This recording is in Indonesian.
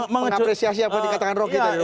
mengapresiasi apa yang dikatakan rocky tadi